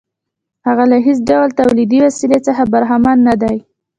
هغه له هېڅ ډول تولیدي وسیلې څخه برخمن نه دی